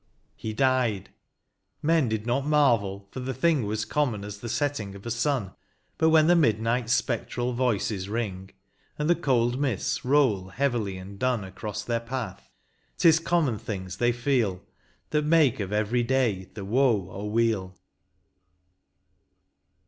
He died ; men did not marvel, for the thing Was common as the setting of the sun : But when the midnight's spectral voices ring. And the cold mists roll heavily and dun Across their path, 't is common things they feel That make of every day the woe or weal.